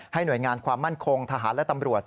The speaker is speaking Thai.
หน่วยงานความมั่นคงทหารและตำรวจ